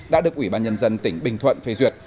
đã được ủy ban nhân dân tỉnh bình thuận phê duyệt